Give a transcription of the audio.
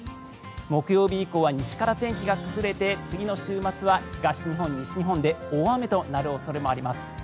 木曜日以降は西から天気が崩れて次の週末は西日本、東日本で大雨となる恐れもあります。